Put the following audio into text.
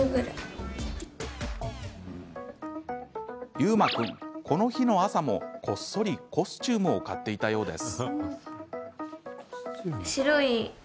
悠真君、この日の朝もこっそりコスチュームを買っていたようです。